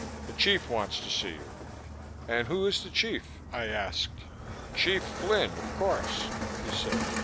"The Chief wants to see you." "And who is the Chief?" I asked. "Chief Flynn, of course," he said.